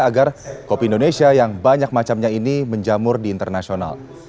agar kopi indonesia yang banyak macamnya ini menjamur di internasional